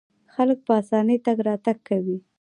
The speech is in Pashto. خلک په اسانۍ تګ راتګ کوي.